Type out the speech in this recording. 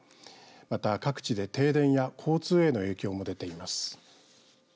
また、各地で停電や交通への影響も出ています。